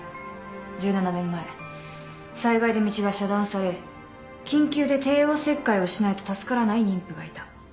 １７年前災害で道が遮断され緊急で帝王切開をしないと助からない妊婦がいた。